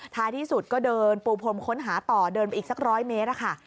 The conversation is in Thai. ท้ายที่สุดก็เดินปูพรมค้นหาต่อเดินไปอีกสักร้อยเมตรค่ะ